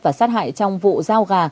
và sát hại trong vụ giao gà